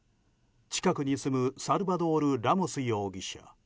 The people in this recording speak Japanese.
近くに住むサルバドール・ラモス容疑者。